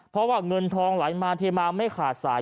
เพราะว่าเงินทองไหลมาเทมาไม่ขาดสาย